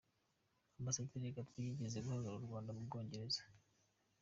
Ambasaderi Gatete yigeze guhagararira u Rwanda mu Bwongereza.